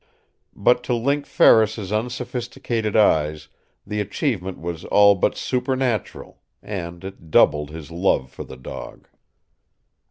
But to Link Ferris's unsophisticated eyes the achievement was all but supernatural, and it doubled his love for the dog.